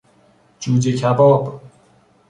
جوجه کباب